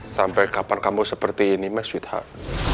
sampai kapan kamu seperti ini me sweetheart